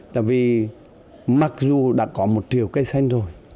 là vì mặc dù đã có một triệu cây xanh rồi